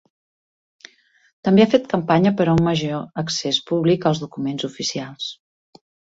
També ha fet campanya per un major accés públic als documents oficials.